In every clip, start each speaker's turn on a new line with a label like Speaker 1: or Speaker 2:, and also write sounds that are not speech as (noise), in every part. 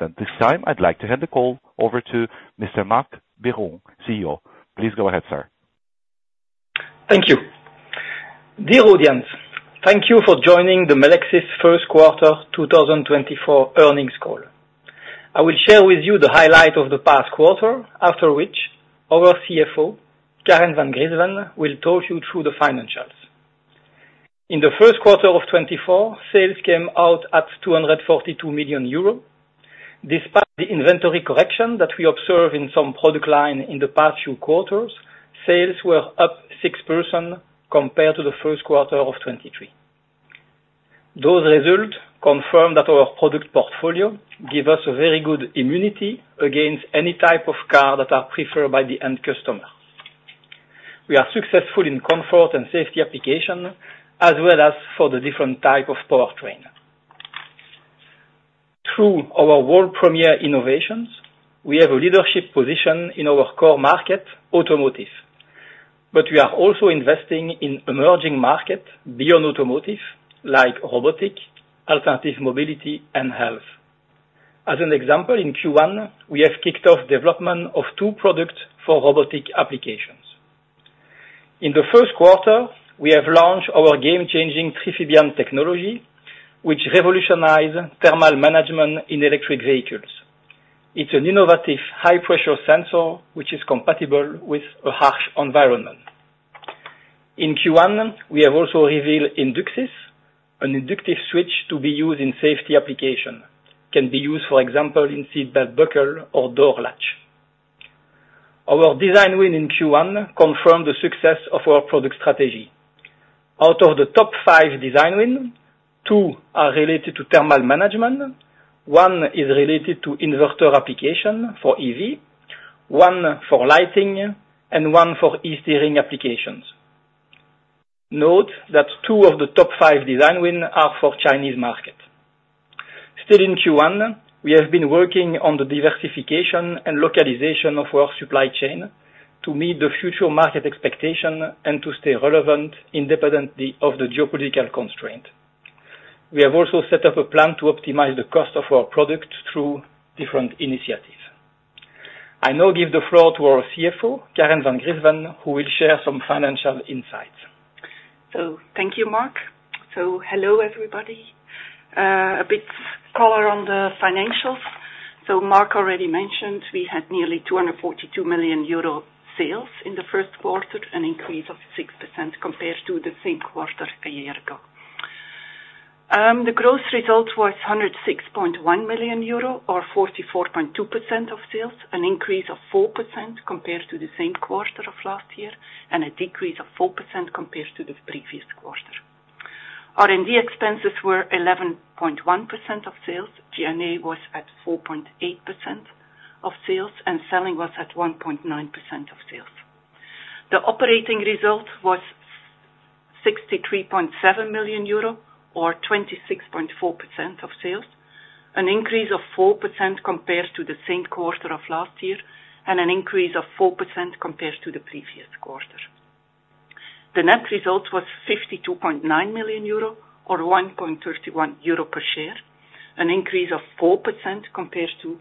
Speaker 1: At this time, I'd like to hand the call over to Mr. Marc Biron, CEO. Please go ahead, sir.
Speaker 2: Thank you. Dear audience, thank you for joining the Melexis first quarter 2024 earnings call. I will share with you the highlight of the past quarter, after which our CFO, Karen Van Griensven, will talk you through the financials. In the first quarter of 2024, sales came out at 242 million euros. Despite the inventory correction that we observe in some product line in the past few quarters, sales were up 6% compared to the first quarter of 2023. Those results confirm that our product portfolio give us a very good immunity against any type of car that are preferred by the end customer. We are successful in comfort and safety application, as well as for the different type of powertrain. Through our world premiere innovations, we have a leadership position in our core market, automotive, but we are also investing in emerging markets beyond automotive, like robotics, alternative mobility, and health. As an example, in Q1, we have kicked off development of two products for robotics applications. In the first quarter, we have launched our game-changing Triphibian technology, which revolutionize thermal management in electric vehicles. It's an innovative high-pressure sensor which is compatible with a harsh environment. In Q1, we have also revealed Induxis, an inductive switch to be used in safety applications. Can be used, for example, in seatbelt buckles or door latches. Our design wins in Q1 confirmed the success of our product strategy. Out of the top five design wins, two are related to thermal management, one is related to inverter applications for EV, one for lighting, and one for e-steering applications. Note that two of the top five design win are for Chinese market. Still in Q1, we have been working on the diversification and localization of our supply chain to meet the future market expectation and to stay relevant independently of the geopolitical constraint. We have also set up a plan to optimize the cost of our product through different initiatives. I now give the floor to our CFO, Karen Van Griensven, who will share some financial insights.
Speaker 3: Thank you, Marc. Hello, everybody. A bit color on the financials. Marc already mentioned we had nearly 242 million euro sales in the first quarter, an increase of 6% compared to the same quarter a year ago. The gross results was 106.1 million euro or 44.2% of sales, an increase of 4% compared to the same quarter of last year, and a decrease of 4% compared to the previous quarter. R&D expenses were 11.1% of sales. G&A was at 4.8% of sales, and selling was at 1.9% of sales. The operating result was 63.7 million euro or 26.4% of sales, an increase of 4% compared to the same quarter of last year, and an increase of 4% compared to the previous quarter. The net result was 52.9 million euro or 1.31 euro per share, an increase of 4% compared to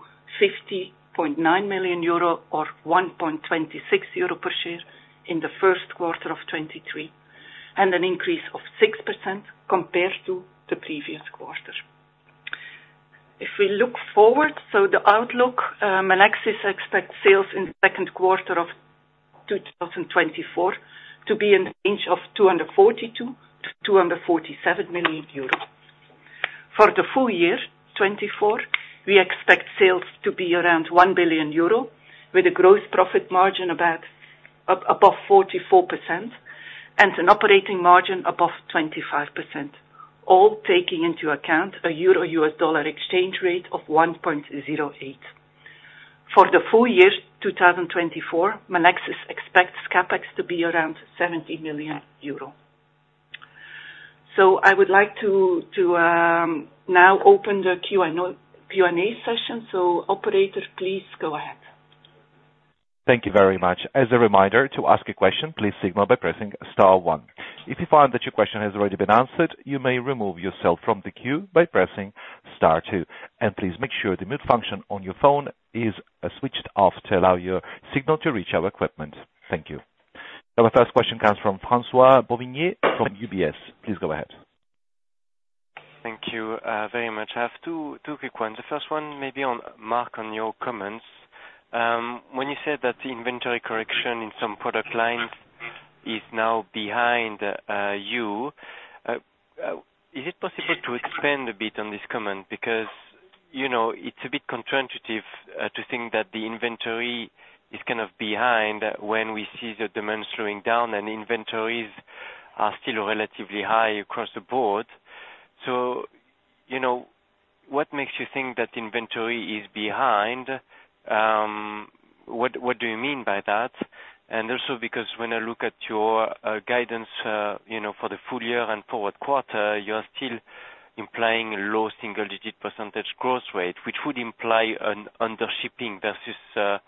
Speaker 3: 50.9 million euro or 1.26 euro per share in the first quarter of 2023, and an increase of 6% compared to the previous quarter. If we look forward, so the outlook, Melexis expect sales in the second quarter of 2024 to be in range of 242 million-247 million euros. For the full year 2024, we expect sales to be around 1 billion euro, with a gross profit margin above 44% and an operating margin above 25%, all taking into account a EUR-U.S. dollar exchange rate of 1.08. For the full year 2024, Melexis expects CapEx to be around 70 million euro. So I would like to now open the Q&A session. So operator, please go ahead.
Speaker 1: Thank you very much. As a reminder, to ask a question, please signal by pressing star one. If you find that your question has already been answered, you may remove yourself from the queue by pressing star two, and please make sure the mute function on your phone is switched off to allow your signal to reach our equipment. Thank you. Our first question comes from François-Xavier Bouvignies, from UBS. Please go ahead.
Speaker 4: Thank you, very much. I have two, two quick ones. The first one may be on, Marc, on your comments. When you said that the inventory correction in some product lines is now behind, you, is it possible to expand a bit on this comment? Because, you know, it's a bit counterintuitive, to think that the inventory is kind of behind when we see the demand slowing down and inventories are still relatively high across the board. So, you know, what makes you think that inventory is behind? What, what do you mean by that? And also, because when I look at your, guidance, you know, for the full year and forward quarter, you are still implying low single-digit percentage growth rate, which would imply an undershipping versus,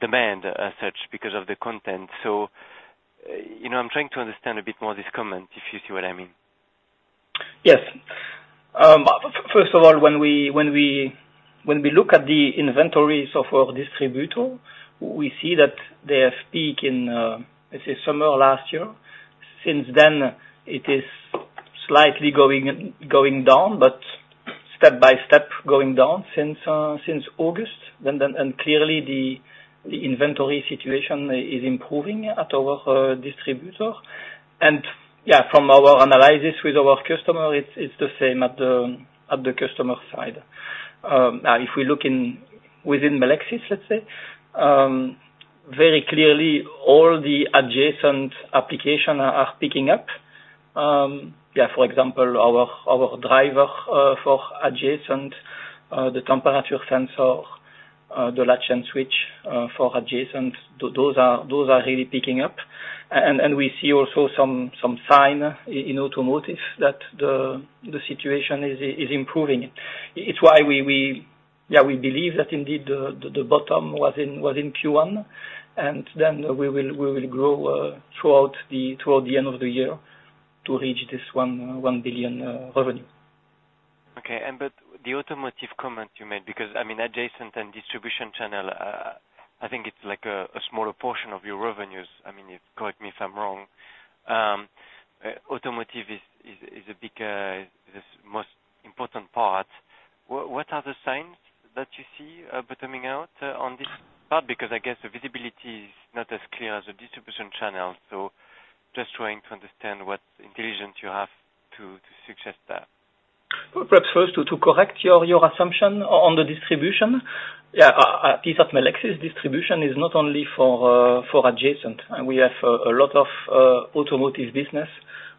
Speaker 4: demand as such, because of the content. You know, I'm trying to understand a bit more this comment, if you see what I mean.
Speaker 2: Yes. First of all, when we look at the inventories of our distributor, we see that they have peak in, let's say, summer of last year. Since then, it is slightly going down, but step by step, going down since August. Then, and clearly the inventory situation is improving at our distributor. And yeah, from our analysis with our customer, it's the same at the customer side. Now, if we look within Melexis, let's say, very clearly all the adjacent application are picking up. Yeah, for example, our driver for adjacent, the temperature sensor, the latch and switch for adjacent, those are really picking up. And we see also some sign in automotive that the situation is improving. It's why we. Yeah, we believe that indeed the bottom was in Q1, and then we will grow throughout toward the end of the year to reach this 1 billion revenue.
Speaker 4: Okay. But the automotive comment you made, because, I mean, adjacent and distribution channel, I think it's like a smaller portion of your revenues. I mean, correct me if I'm wrong, automotive is a big, the most important part. What are the signs that you see bottoming out on this part? Because I guess the visibility is not as clear as the distribution channel. So just trying to understand what intelligence you have to suggest that.
Speaker 2: Well, perhaps first to correct your assumption on the distribution. Yeah, a piece of Melexis distribution is not only for adjacent, and we have a lot of automotive business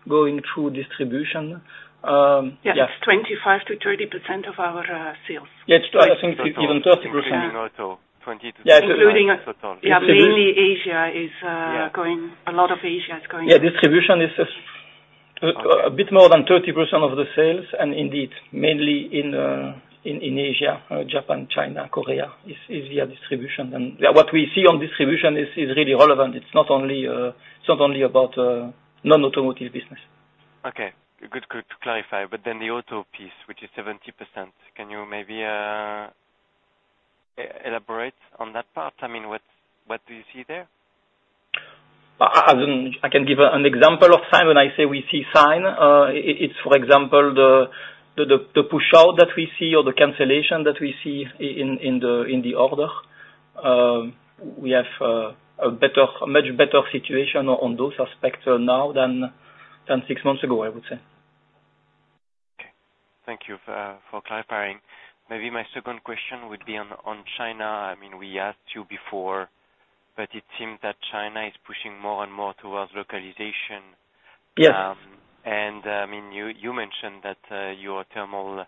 Speaker 2: going through distribution. Yeah.
Speaker 3: Yes, 25%-30% of our sales.
Speaker 2: Yeah, I think it's even 30%.
Speaker 4: 20% to- (crosstalk)
Speaker 3: Including, yeah, mainly Asia is-
Speaker 4: Yeah...
Speaker 3: going, a lot of Asia is going.
Speaker 2: Yeah, distribution is...
Speaker 4: Okay...
Speaker 2: a bit more than 30% of the sales, and indeed, mainly in Asia, Japan, China, Korea, is via distribution. And, yeah, what we see on distribution is really relevant. It's not only about non-automotive business.
Speaker 4: Okay. Good, good to clarify. But then the auto piece, which is 70%, can you maybe elaborate on that part? I mean, what, what do you see there?
Speaker 2: I can give an example of signs. When I say we see signs, it's for example, the push out that we see or the cancellation that we see in the order. We have a much better situation on those aspects now than six months ago, I would say.
Speaker 4: Okay. Thank you for clarifying. Maybe my second question would be on China. I mean, we asked you before, but it seems that China is pushing more and more towards localization.
Speaker 2: Yes.
Speaker 4: I mean, you mentioned that your terminal,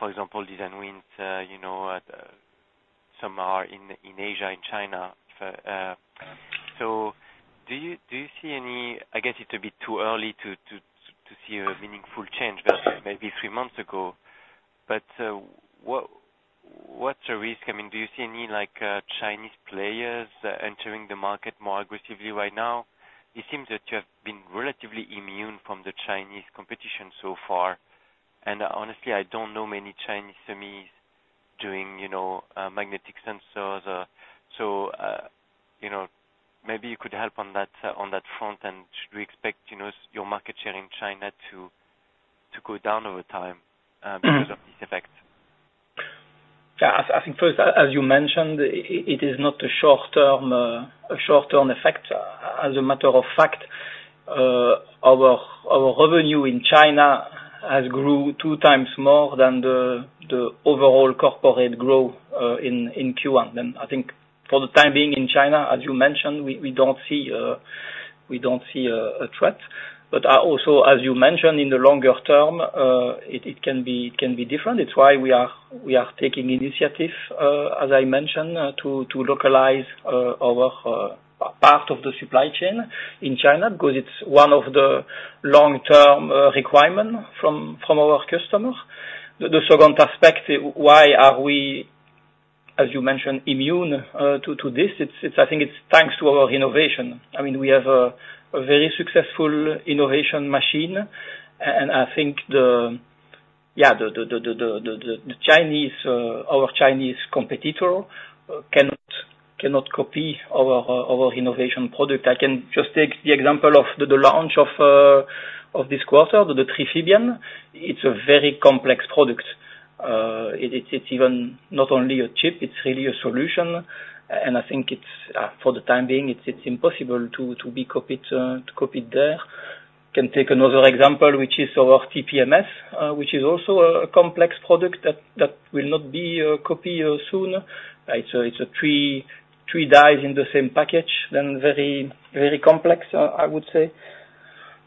Speaker 4: for example, design wins, you know, at some are in Asia, in China. So do you see any? I guess it's a bit too early to see a meaningful change, but maybe three months ago. But what's the risk? I mean, do you see any like Chinese players entering the market more aggressively right now? It seems that you have been relatively immune from the Chinese competition so far, and honestly, I don't know many Chinese semis doing, you know, magnetic sensors. So, you know, maybe you could help on that, on that front, and should we expect, you know, your market share in China to go down over time because of this effect?
Speaker 2: Yeah, I think first, as you mentioned, it is not a short-term, a short-term effect. As a matter of fact, our revenue in China has grew 2x more than the overall corporate growth, in Q1. And I think for the time being in China, as you mentioned, we don't see, we don't see a threat. But also, as you mentioned, in the longer term, it can be, it can be different. It's why we are taking initiative, as I mentioned, to localize our part of the supply chain in China, because it's one of the long-term requirement from our customers. The second perspective, why are we, as you mentioned, immune to this? It's—I think it's thanks to our innovation. I mean, we have a very successful innovation machine, and I think the... Yeah, the Chinese, our Chinese competitor, cannot copy our innovation product. I can just take the example of the launch of this quarter, the Triphibian. It's a very complex product. It's even not only a chip, it's really a solution. And I think it's, for the time being, it's impossible to be copied, to copy it there. Can take another example, which is our TPMS, which is also a complex product that will not be copied soon. So it's three dies in the same package, then very, very complex, I would say.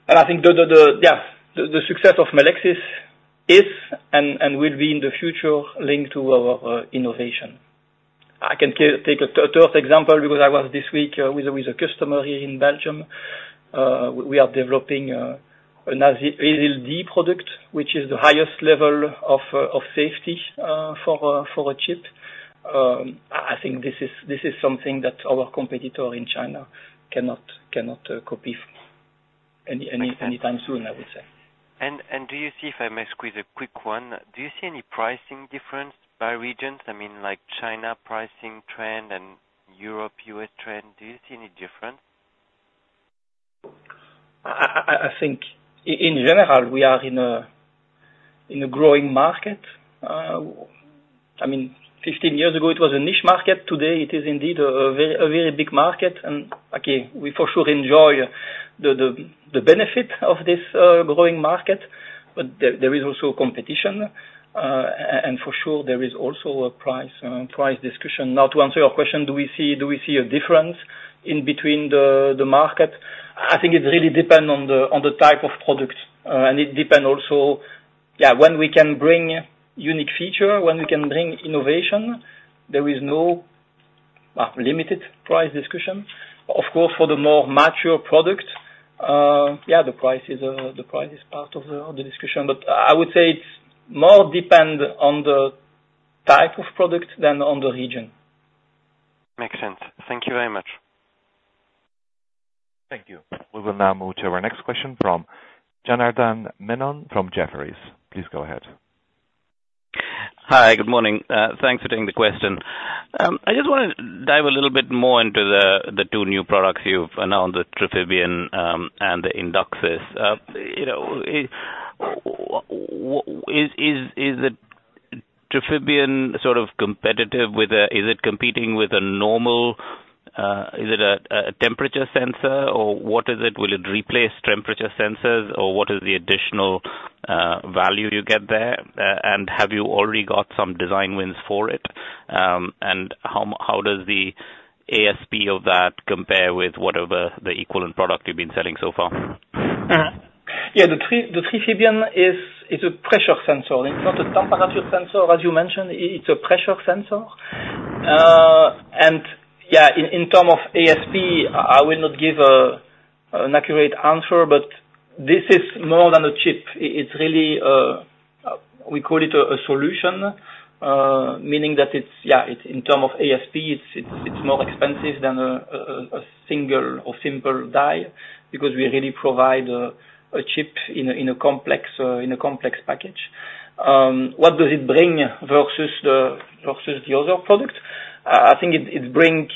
Speaker 2: And I think the success of Melexis is and will be in the future linked to our innovation. I can take a third example, because I was this week with a customer here in Belgium. We are developing an ASIL D product, which is the highest level of safety for a chip. I think this is something that our competitor in China cannot copy anytime soon, I would say.
Speaker 4: Do you see, if I may squeeze a quick one, do you see any pricing difference by regions? I mean, like China pricing trend and Europe, U.S. trend. Do you see any difference?
Speaker 2: I think in general, we are in a growing market. I mean, 15 years ago it was a niche market. Today, it is indeed a very big market, and again, we for sure enjoy the benefit of this growing market. But there is also competition. And for sure, there is also a price discussion. Now, to answer your question, do we see a difference in the market? I think it really depend on the type of products, and it depend also. Yeah, when we can bring unique feature, when we can bring innovation, there is no limited price discussion. Of course, for the more mature product, yeah, the price is part of the discussion. I would say it's more dependent on the type of product than on the region.
Speaker 4: Makes sense. Thank you very much.
Speaker 1: Thank you. We will now move to our next question from Janardan Menon from Jefferies. Please go ahead.
Speaker 5: Hi, good morning. Thanks for taking the question. I just wanna dive a little bit more into the two new products you've announced, the Triphibian and the Induxis. You know, is the Triphibian sort of competitive with a... Is it competing with a normal temperature sensor, or what is it? Will it replace temperature sensors, or what is the additional value you get there? And have you already got some design wins for it? And how does the ASP of that compare with whatever the equivalent product you've been selling so far?
Speaker 2: Yeah, the Triphibian is, it's a pressure sensor. It's not a temperature sensor, as you mentioned, it's a pressure sensor. And yeah, in term of ASP, I will not give an accurate answer, but this is more than a chip. It's really, we call it a solution, meaning that it's, it's in term of ASP, it's more expensive than a single or simple die, because we really provide a chip in a complex package. What does it bring versus the other products? I think it bring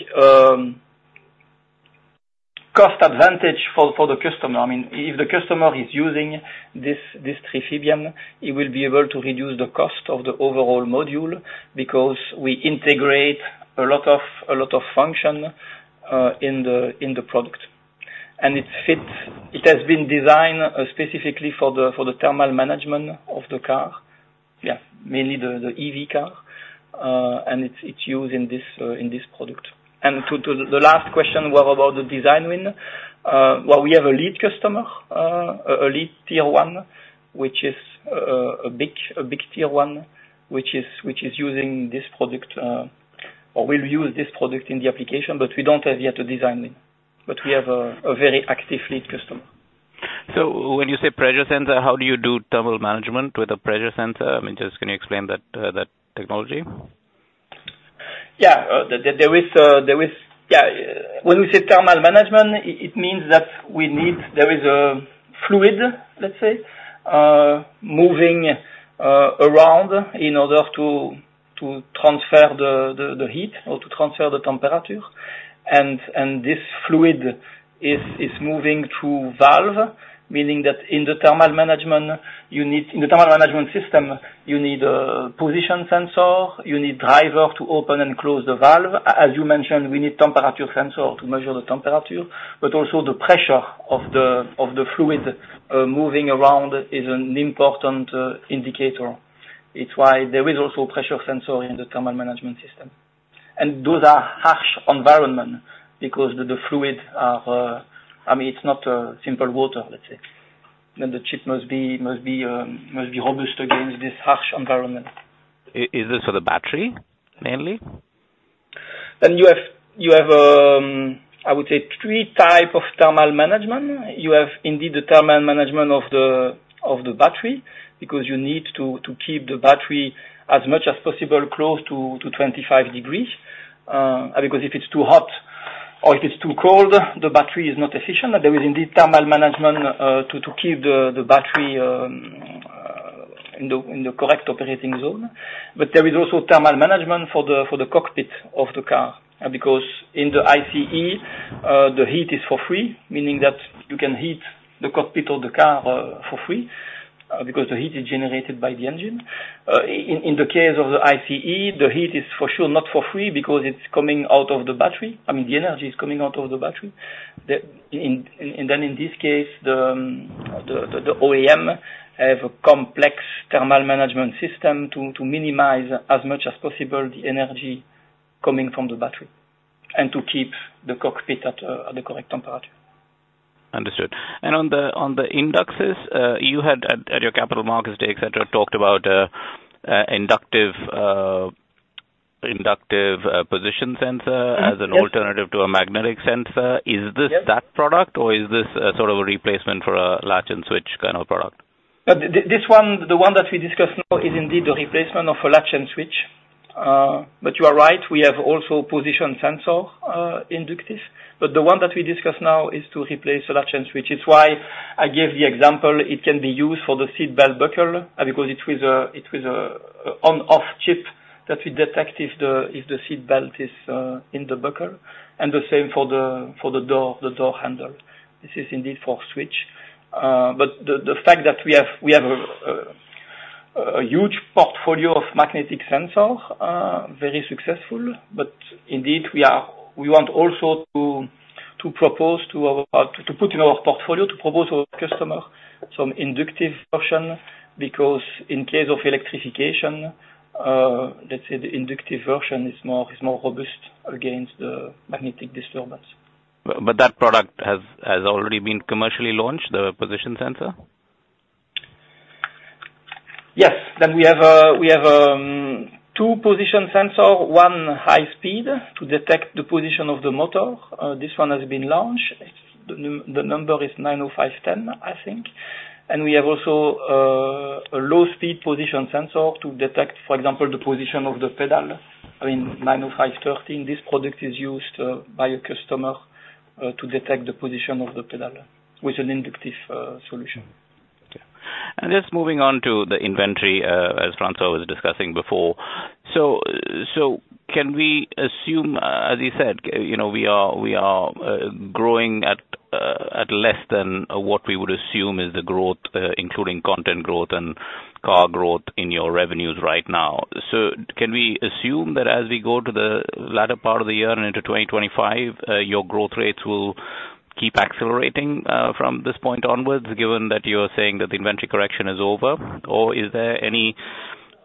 Speaker 2: cost advantage for the customer. I mean, if the customer is using this, this Triphibian, he will be able to reduce the cost of the overall module, because we integrate a lot of, a lot of function, in the product. And it fits. It has been designed, specifically for the thermal management of the car. Yeah, mainly the EV car, and it's used in this product. And to the last question, what about the design win? Well, we have a lead customer, a lead Tier 1, which is a big, a big Tier 1, which is using this product, or will use this product in the application, but we don't have yet a design win. But we have a very active lead customer.
Speaker 5: So when you say pressure sensor, how do you do thermal management with a pressure sensor? I mean, just can you explain that, that technology?
Speaker 2: Yeah. Yeah, when we say thermal management, it means that we need. There is a fluid, let's say, moving around in order to transfer the heat or to transfer the temperature. And this fluid is moving through valve, meaning that in the thermal management, you need. In the thermal management system, you need a position sensor, you need driver to open and close the valve. As you mentioned, we need temperature sensor to measure the temperature, but also the pressure of the fluid moving around is an important indicator. It's why there is also pressure sensor in the thermal management system. And those are harsh environment, because the fluid, I mean, it's not simple water, let's say. Then the chip must be robust against this harsh environment.
Speaker 5: Is this for the battery, mainly?
Speaker 2: Then you have I would say three type of thermal management. You have indeed the thermal management of the battery, because you need to keep the battery as much as possible close to 25 degrees. Because if it's too hot or if it's too cold, the battery is not efficient. There is indeed thermal management to keep the battery in the correct operating zone. But there is also thermal management for the cockpit of the car. Because in the ICE the heat is for free, meaning that you can heat the cockpit of the car for free because the heat is generated by the engine. In the case of the EV, the heat is for sure not for free, because it's coming out of the battery. I mean, the energy is coming out of the battery. And then in this case, the OEM have a complex thermal management system to minimize, as much as possible, the energy coming from the battery, and to keep the cockpit at the correct temperature.
Speaker 5: Understood. And on the Induxis, you had at your Capital Markets Day, et cetera, talked about inductive position sensor-
Speaker 2: Yes.
Speaker 5: as an alternative to a magnetic sensor.
Speaker 2: Yes.
Speaker 5: Is this that product, or is this a sort of a replacement for a latch and switch kind of product?
Speaker 2: This one, the one that we discuss now is indeed a replacement of a latch and switch. But you are right, we have also position sensor, inductive. But the one that we discuss now is to replace the latch and switch. It's why I gave the example, it can be used for the seatbelt buckle, because it is a, it is a on/off chip that we detect if the, if the seatbelt is, in the buckle, and the same for the, for the door, the door handle. This is indeed for switch. But the fact that we have a huge portfolio of magnetic sensor, very successful, but indeed we want also to put in our portfolio to propose to our customer some inductive option, because in case of electrification, let's say the inductive version is more robust against the magnetic disturbance.
Speaker 5: But that product has already been commercially launched, the position sensor?
Speaker 2: Yes. Then we have two position sensors, one high speed to detect the position of the motor. This one has been launched. It's the number is 90510, I think. And we have also a low speed position sensor to detect, for example, the position of the pedal, I mean, 90513. This product is used by a customer to detect the position of the pedal with an inductive solution.
Speaker 5: Okay. And just moving on to the inventory, as François was discussing before. So can we assume, as you said, you know, we are growing at less than what we would assume is the growth, including content growth and car growth in your revenues right now. So can we assume that as we go to the latter part of the year and into 2025, your growth rates will keep accelerating from this point onwards, given that you're saying that the inventory correction is over? Or is there any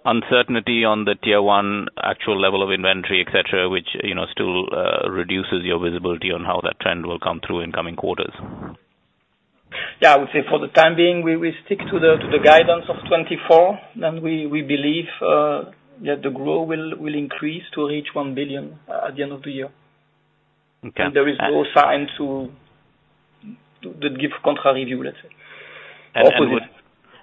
Speaker 5: uncertainty on the Tier 1 actual level of inventory, et cetera, which, you know, still reduces your visibility on how that trend will come through in coming quarters?
Speaker 2: Yeah, I would say for the time being, we stick to the guidance of 2024, and we believe that the growth will increase to reach 1 billion at the end of the year.
Speaker 5: Okay.
Speaker 2: There is no sign to that give contrary view, let's say.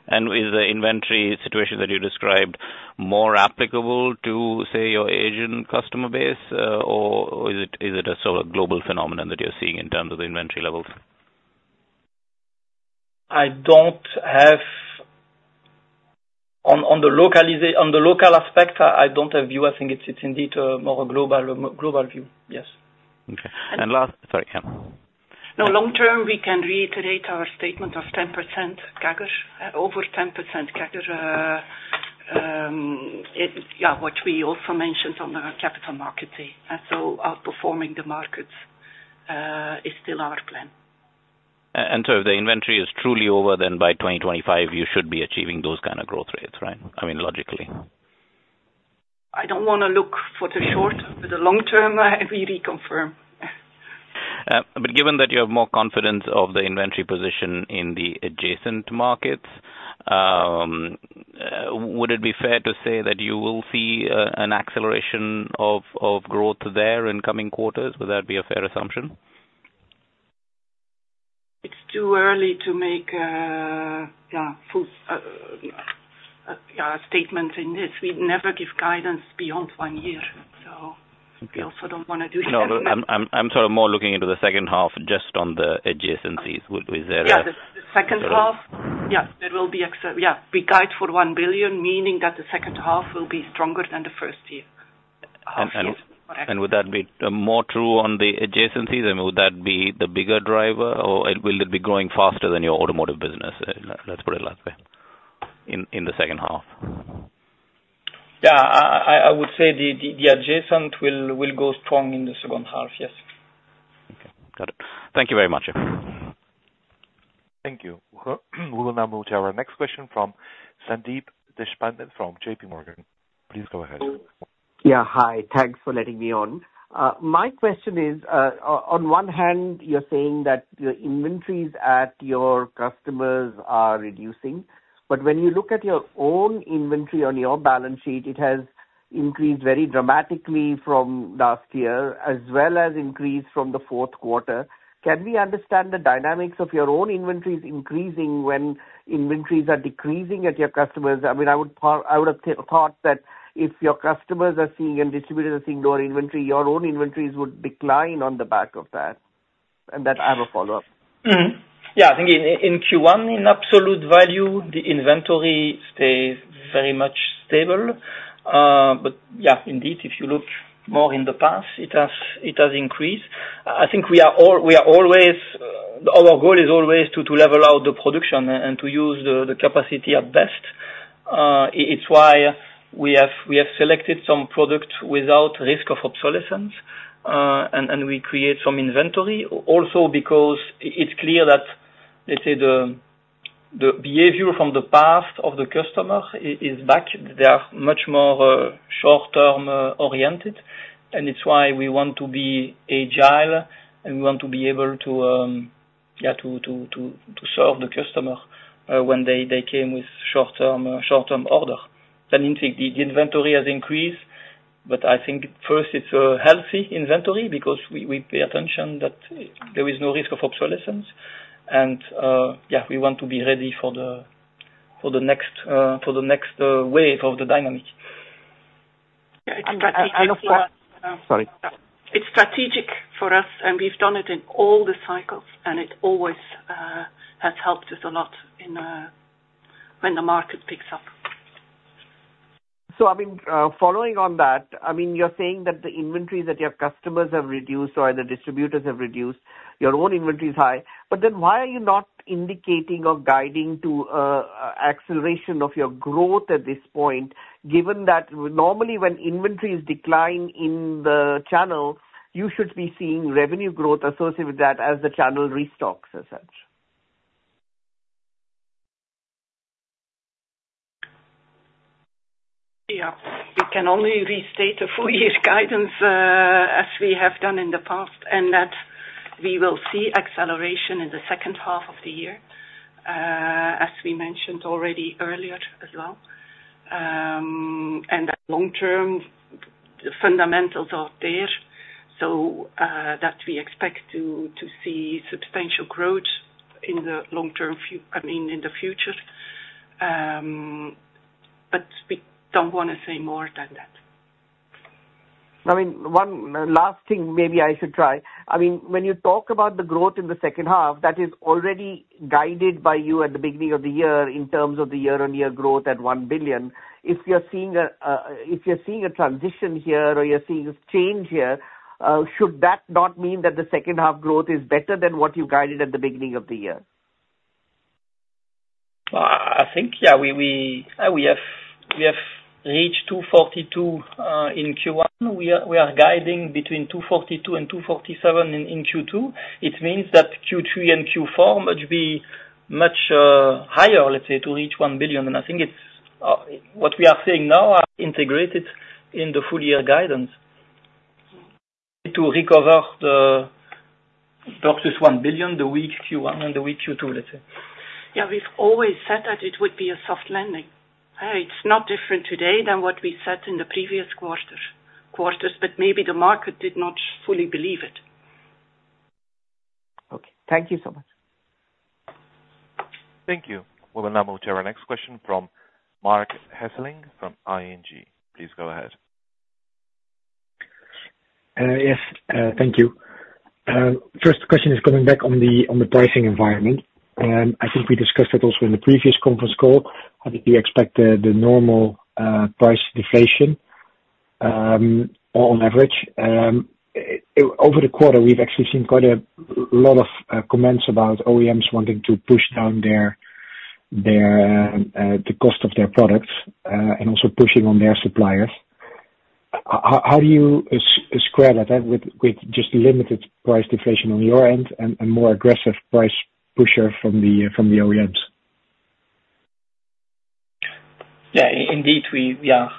Speaker 5: And with the inventory situation that you described, more applicable to, say, your Asian customer base, or is it a sort of global phenomenon that you're seeing in terms of the inventory levels?
Speaker 2: I don't have... On the local aspect, I don't have view. I think it's indeed a more global view. Yes.
Speaker 5: Okay. And last... Sorry, go on.
Speaker 3: No, long-term, we can reiterate our statement of 10% CAGR, over 10% CAGR. What we also mentioned on the Capital Markets Day, and so outperforming the markets, is still our plan.
Speaker 5: And so if the inventory is truly over, then by 2025, you should be achieving those kind of growth rates, right? I mean, logically.
Speaker 3: I don't wanna look for the short, but the long-term, we reconfirm.
Speaker 5: But given that you have more confidence of the inventory position in the adjacent markets, would it be fair to say that you will see an acceleration of growth there in coming quarters? Would that be a fair assumption?
Speaker 3: It's too early to make full-year statement in this. We'd never give guidance beyond one year, so-
Speaker 5: Okay.
Speaker 3: We also don't wanna do that.
Speaker 5: No, I'm sort of more looking into the second half just on the adjacencies. Is there a-
Speaker 3: Yeah, the second half-
Speaker 5: Sorry.
Speaker 3: Yeah, we guide for 1 billion, meaning that the second half will be stronger than the first half year, correct.
Speaker 5: Would that be more true on the adjacencies, and would that be the bigger driver, or will it be growing faster than your automotive business? Let's put it that way, in the second half.
Speaker 2: Yeah. I would say the adjacent will go strong in the second half. Yes.
Speaker 5: Okay. Got it. Thank you very much.
Speaker 1: Thank you. We will now move to our next question from Sandeep Deshpande, from JPMorgan. Please go ahead.
Speaker 6: Yeah, hi. Thanks for letting me on. My question is, on one hand, you're saying that your inventories at your customers are reducing, but when you look at your own inventory on your balance sheet, it has increased very dramatically from last year, as well as increased from the fourth quarter. Can we understand the dynamics of your own inventories increasing when inventories are decreasing at your customers? I mean, I would have thought that if your customers are seeing and distributors are seeing lower inventory, your own inventories would decline on the back of that. And then I have a follow-up.
Speaker 2: Mm-hmm. Yeah, I think in Q1, in absolute value, the inventory stays very much stable. But yeah, indeed, if you look more in the past, it has increased. I think we are always. Our goal is always to level out the production and to use the capacity at best. It's why we have selected some products without risk of obsolescence, and we create some inventory. Also, because it's clear that, let's say, the behavior from the past of the customer is back. They are much more short-term oriented, and it's why we want to be agile, and we want to be able to, yeah, to serve the customer when they came with short-term order. That means the inventory has increased, but I think first it's a healthy inventory because we pay attention that there is no risk of obsolescence, and yeah, we want to be ready for the next wave of the dynamic.
Speaker 3: Yeah, it's strategic-
Speaker 6: I know. Sorry.
Speaker 3: It's strategic for us, and we've done it in all the cycles, and it always has helped us a lot in when the market picks up.
Speaker 6: So, I mean, following on that, I mean, you're saying that the inventory that your customers have reduced or the distributors have reduced, your own inventory is high, but then why are you not indicating or guiding to, acceleration of your growth at this point, given that normally when inventories decline in the channel, you should be seeing revenue growth associated with that as the channel restocks as such?
Speaker 3: Yeah. We can only restate a full year guidance, as we have done in the past, and that we will see acceleration in the second half of the year, as we mentioned already earlier as well. And that long-term fundamentals are there, so that we expect to see substantial growth in the long-term future. I mean, in the future. But we don't wanna say more than that.
Speaker 6: I mean, one last thing maybe I should try. I mean, when you talk about the growth in the second half, that is already guided by you at the beginning of the year in terms of the year-on-year growth at 1 billion. If you're seeing a transition here or you're seeing a change here, should that not mean that the second half growth is better than what you guided at the beginning of the year?
Speaker 2: I think, yeah, we have reached 242 million in Q1. We are guiding between 242 million and 247 million in Q2. It means that Q3 and Q4 might be much higher, let's say, to reach 1 billion. And I think it's what we are saying now are integrated in the full year guidance. To recover versus 1 billion, the weak Q1 and the weak Q2, let's say.
Speaker 3: Yeah, we've always said that it would be a soft landing. It's not different today than what we said in the previous quarters, but maybe the market did not fully believe it.
Speaker 6: Okay. Thank you so much.
Speaker 1: Thank you. We'll now move to our next question from Marc Hesselink, from ING. Please go ahead.
Speaker 7: Yes, thank you. First question is coming back on the pricing environment, and I think we discussed it also in the previous conference call. How did you expect the normal price deflation on average? Over the quarter, we've actually seen quite a lot of comments about OEMs wanting to push down their cost of their products, and also pushing on their suppliers. How do you square that out with just limited price deflation on your end and more aggressive price pusher from the OEMs?
Speaker 2: Yeah, indeed, we are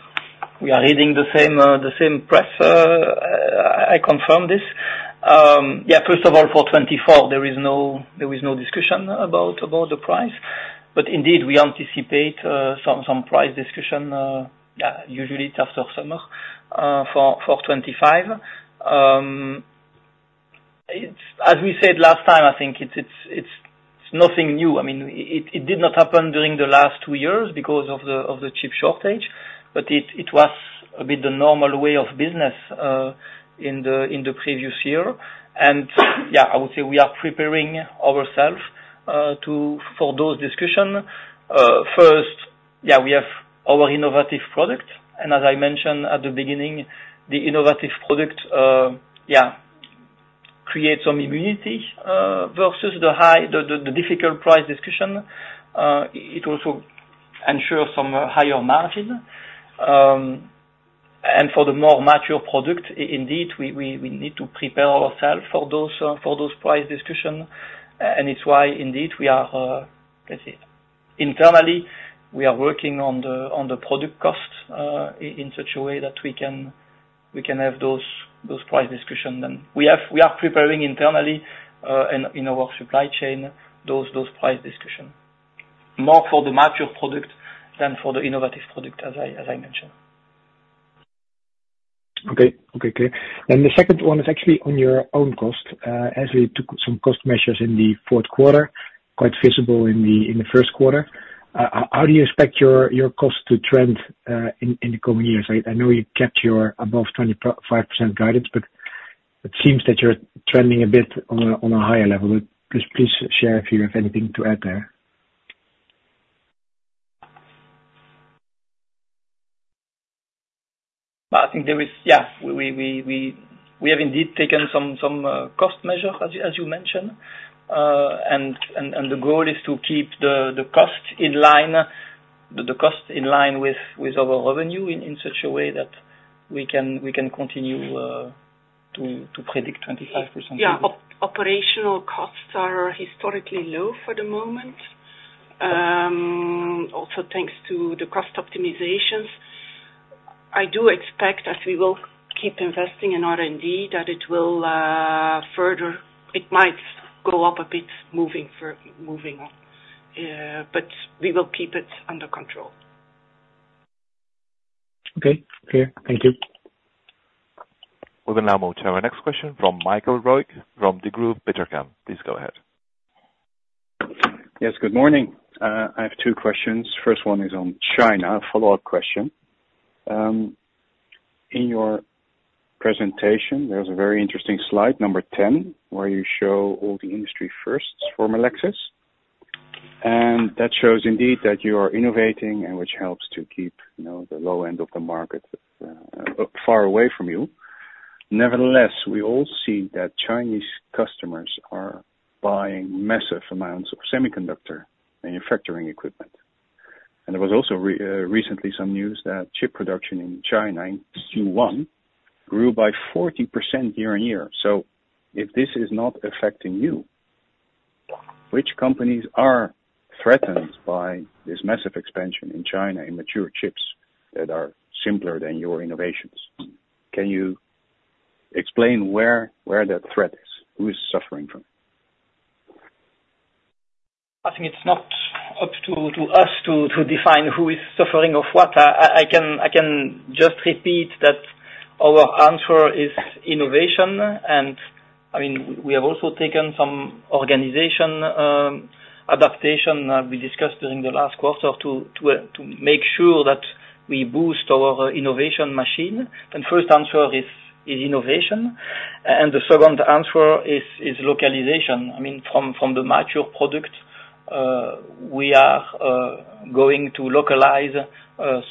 Speaker 2: reading the same press, I confirm this. Yeah, first of all, for 2024 there was no discussion about the price. But indeed, we anticipate some price discussion, yeah, usually after summer, for 2025. It's as we said last time, I think it's nothing new. I mean, it did not happen during the last two years because of the chip shortage, but it was a bit the normal way of business in the previous year. And yeah, I would say we are preparing ourself for those discussion. First, yeah, we have our innovative product, and as I mentioned at the beginning, the innovative product, yeah, creates some immunity versus the high, the difficult price discussion. It also ensures some higher margin. And for the more mature product, indeed, we need to prepare ourself for those price discussion. And it's why indeed we are, let's say, internally, we are working on the product cost, in such a way that we can have those price discussion. We are preparing internally, in our supply chain, those price discussion. More for the mature product than for the innovative product, as I mentioned.
Speaker 7: Okay. Okay, clear. Then the second one is actually on your own cost, as you took some cost measures in the fourth quarter, quite visible in the first quarter. How do you expect your cost to trend in the coming years? I know you kept your above 25% guidance, but it seems that you're trending a bit on a higher level. Just please share if you have anything to add there.
Speaker 2: I think there is... Yeah, we have indeed taken some cost measures, as you mentioned. And the goal is to keep the cost in line with our revenue in such a way that we can continue to predict 25%.
Speaker 3: Yeah. Operational costs are historically low for the moment, also thanks to the cost optimizations. I do expect as we will keep investing in R&D, that it will further, it might go up a bit, moving on, but we will keep it under control.
Speaker 7: Okay, clear. Thank you.
Speaker 1: We will now move to our next question from Michael Roeg, from Degroof Petercam. Please go ahead.
Speaker 8: Yes, good morning. I have two questions. First one is on China, a follow-up question. In your presentation, there's a very interesting slide, number 10, where you show all the industry firsts from Melexis. And that shows indeed that you are innovating and which helps to keep, you know, the low end of the market far away from you. Nevertheless, we all see that Chinese customers are buying massive amounts of semiconductor manufacturing equipment. And there was also recently some news that chip production in China, in Q1, grew by 40% year-over-year. So if this is not affecting you, which companies are threatened by this massive expansion in China, in mature chips that are simpler than your innovations? Can you explain where that threat is? Who is suffering from it?
Speaker 2: I think it's not up to us to define who is suffering or what. I can just repeat that our answer is innovation. And I mean, we have also taken some organization adaptation we discussed during the last quarter to make sure that we boost our innovation machine. And first answer is innovation. And the second answer is localization. I mean, from the mature product, we are going to localize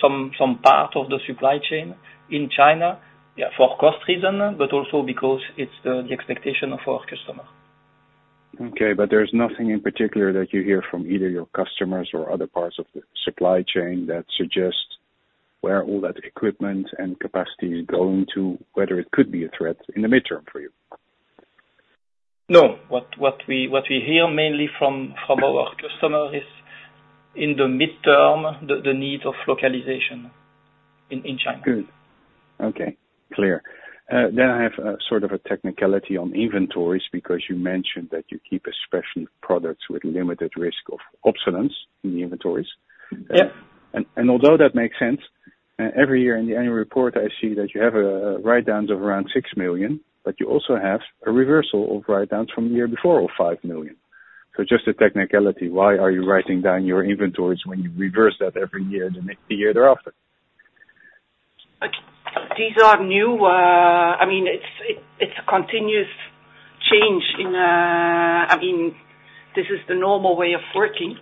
Speaker 2: some part of the supply chain in China, yeah, for cost reason, but also because it's the expectation of our customer.
Speaker 8: Okay, but there's nothing in particular that you hear from either your customers or other parts of the supply chain that suggest where all that equipment and capacity is going to, whether it could be a threat in the midterm for you?
Speaker 2: No. What we hear mainly from our customer is, in the midterm, the need of localization in China.
Speaker 8: Good. Okay, clear. Then I have sort of a technicality on inventories, because you mentioned that you keep especially products with limited risk of obsolescence in the inventories.
Speaker 2: Yeah.
Speaker 8: Although that makes sense, every year in the annual report, I see that you have write-downs of around 6 million, but you also have a reversal of write-downs from the year before, of 5 million. So just a technicality, why are you writing down your inventories when you reverse that every year, the next year thereafter?
Speaker 3: These are new. I mean, it's a continuous change. I mean, this is the normal way of working.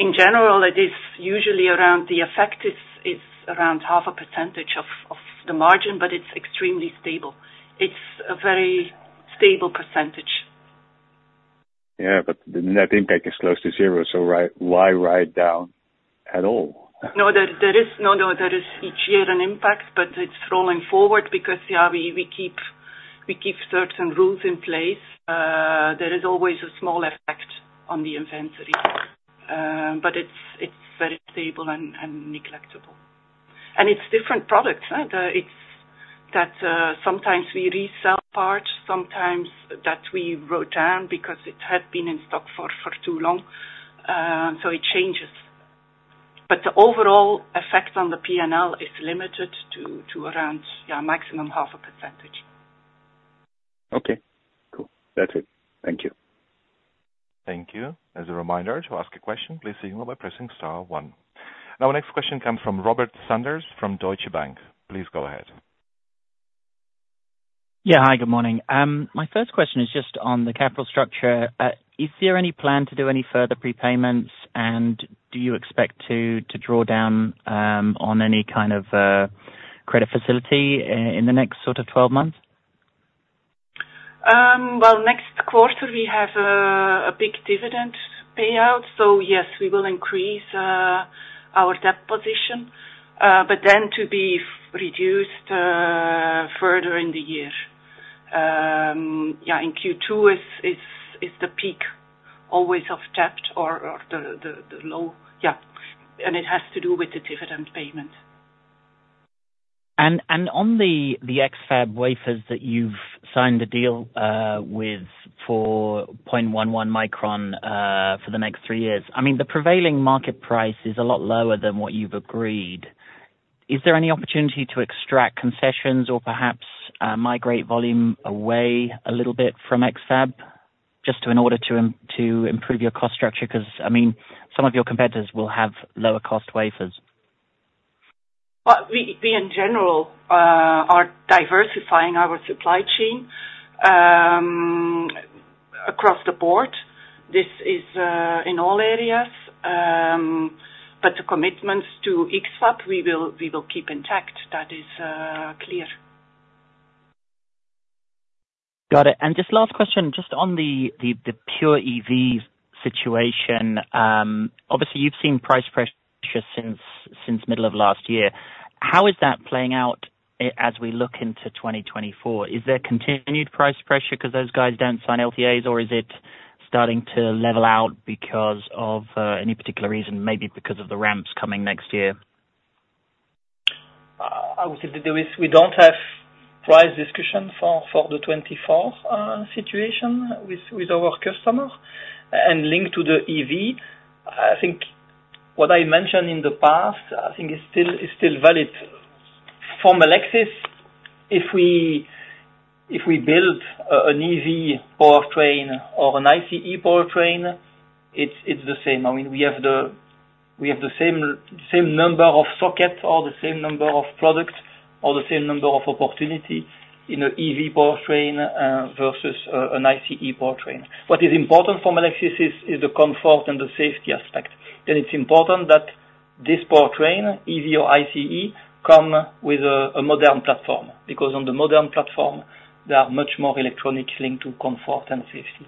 Speaker 3: In general, it is usually around, the effect is around 0.5% of the margin, but it's extremely stable. It's a very stable percentage.
Speaker 8: Yeah, but the net impact is close to zero, so why, why write down at all?
Speaker 3: No, no, there is each year an impact, but it's rolling forward because, yeah, we keep certain rules in place. There is always a small effect on the inventory, but it's very stable and negligible. And it's different products, it's that sometimes we resell parts, sometimes that we wrote down because it had been in stock for too long. So it changes. But the overall effect on the P&L is limited to around, yeah, maximum 0.5%.
Speaker 8: Okay, cool. That's it. Thank you.
Speaker 1: Thank you. As a reminder, to ask a question, please signal by pressing star one. Our next question comes from Robert Sanders from Deutsche Bank. Please go ahead.
Speaker 9: Yeah. Hi, good morning. My first question is just on the capital structure. Is there any plan to do any further prepayments, and do you expect to draw down on any kind of credit facility in the next sort of 12 months?
Speaker 3: Well, next quarter we have a big dividend payout. So yes, we will increase our debt position, but then to be reduced further in the year. Yeah, in Q2 is the peak always of debt or the low. Yeah, and it has to do with the dividend payment.
Speaker 9: And on the X-FAB wafers that you've signed the deal with for 0.11 micron for the next three years, I mean, the prevailing market price is a lot lower than what you've agreed. Is there any opportunity to extract concessions or perhaps migrate volume away a little bit from X-FAB, just to, in order to improve your cost structure? 'Cause, I mean, some of your competitors will have lower cost wafers.
Speaker 3: Well, we, we in general, are diversifying our supply chain, across the board. This is, in all areas. But the commitments to X-FAB, we will, we will keep intact. That is, clear.
Speaker 9: Got it. Just last question, just on the pure EV situation. Obviously, you've seen price pressures since middle of last year. How is that playing out, as we look into 2024? Is there continued price pressure because those guys don't sign LTAs, or is it starting to level out because of any particular reason, maybe because of the ramps coming next year?
Speaker 2: I would say that there is, we don't have price discussion for, for the 2024 situation with, with our customer. And linked to the EV, I think what I mentioned in the past, I think is still, is still valid. From Melexis, if we, if we build an EV powertrain or an ICE powertrain, it's, it's the same. I mean, we have the, we have the same, same number of sockets or the same number of products, or the same number of opportunity in a EV powertrain versus an ICE powertrain. What is important from Melexis is, is the comfort and the safety aspect. Then it's important that this powertrain, EV or ICE, come with a modern platform, because on the modern platform, there are much more electronics linked to comfort and safety.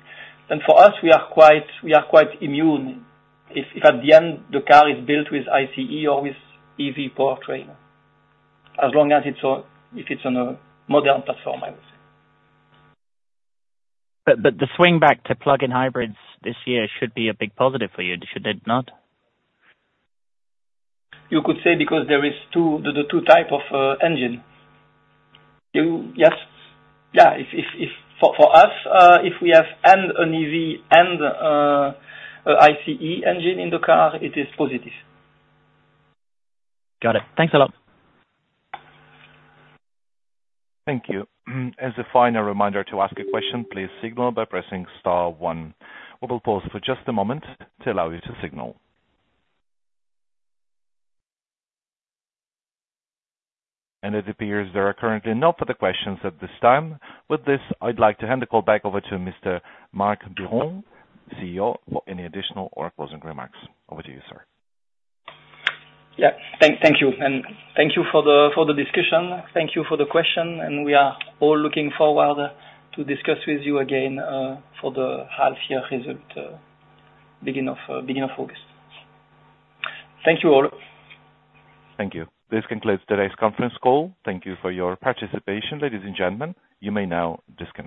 Speaker 2: And for us, we are quite, we are quite immune. If at the end, the car is built with ICE or with EV powertrain, as long as it's on, if it's on a modern platform, I would say.
Speaker 9: But the swing back to plug-in hybrids this year should be a big positive for you, should it not?
Speaker 2: You could say, because there are two types of engines. Yes. Yeah, for us, if we have an EV and an ICE engine in the car, it is positive.
Speaker 9: Got it. Thanks a lot.
Speaker 1: Thank you. As a final reminder to ask a question, please signal by pressing star one. We will pause for just a moment to allow you to signal. It appears there are currently no further questions at this time. With this, I'd like to hand the call back over to Mr. Marc Biron, CEO, for any additional or closing remarks. Over to you, sir.
Speaker 2: Yeah. Thank you, and thank you for the discussion. Thank you for the question, and we are all looking forward to discuss with you again for the half year result, beginning of August. Thank you all.
Speaker 1: Thank you. This concludes today's conference call. Thank you for your participation, ladies and gentlemen. You may now disconnect.